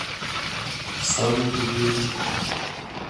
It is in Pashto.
سر مو خوږیږي؟